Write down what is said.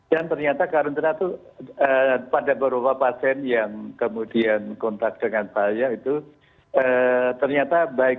dan ternyata karantina itu pada beberapa pasien yang kemudian kontak dengan saya itu ternyata baik